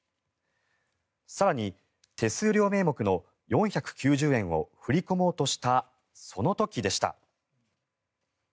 更に、手数料名目の４９０円を振り込もうとしたその時でした。